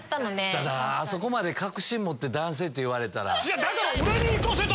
ただあそこまで確信持って男性って言われたら。